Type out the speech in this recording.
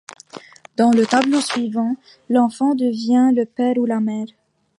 Dans le tableau suivant, l'enfant devient le père ou la mère.